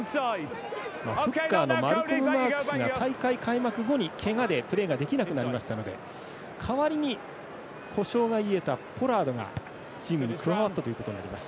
フッカーのマルコム・マークスが大会開幕後にけがでプレーができなくなりましたので代わりに故障が癒えたポラードがチームに加わったということになります。